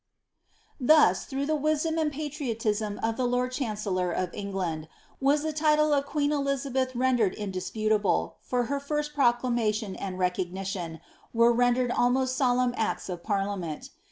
'^ Thus, through the wisdom and patriotism of the lord chancellor of England, was the title of queen Elizabeth rendered indisputable, for her first proclamation and recognition, were rendered most solemn acts of parliament.